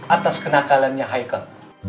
atas kenakalannya haikal